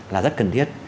là rất cần thiết